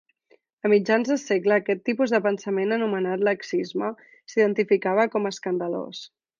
A mitjans de segle, aquest tipus de pensament anomenat laxisme, s'identificava com a escandalós.